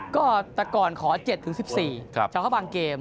ก็แต่ก่อนขอ๗๑๔เฉพาะบางเกม